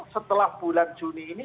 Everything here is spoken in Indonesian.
setelah bulan juni ini